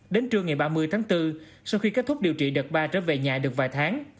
đến trưa ngày ba mươi tháng bốn sau khi kết thúc điều trị đợt ba trở về nhà được vài tháng